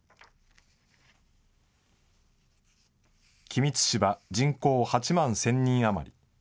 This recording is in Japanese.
君津市は人口８万１０００人余り。